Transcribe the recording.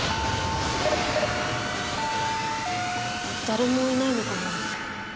誰もいないのかな？